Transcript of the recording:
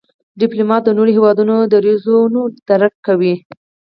ډيپلومات د نورو هېوادونو دریځونه درک کوي.